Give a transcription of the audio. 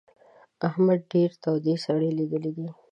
احمد ډېرې تودې سړې ليدلې دي.